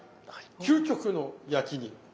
究極の焼きに。